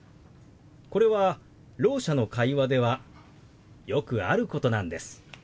これはろう者の会話ではよくあることなんです。